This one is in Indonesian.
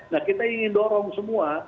nah kita ingin dorong semua